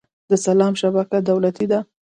د سلام شبکه دولتي ده؟